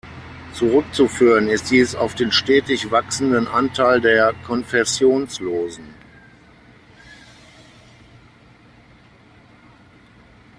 Zurückzuführen ist dies auf den stetig wachsenden Anteil der Konfessionslosen.